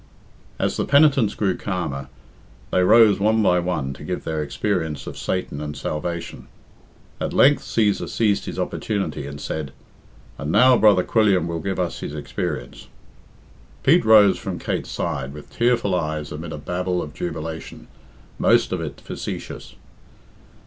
As the penitents grew calmer, they rose one by one to give their experience of Satan and salvation. At length Cæsar seized his opportunity and said, "And now Brother Quilliam will give us his experience." Pete rose from Kate's side with tearful eyes amid a babel of jubilation, most of it facetious.